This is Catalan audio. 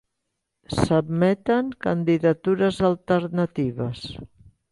S'admeten candidatures alternatives.